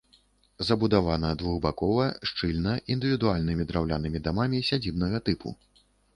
Забудавана двухбакова, шчыльна, індывідуальнымі драўлянымі дамамі сядзібнага тыпу.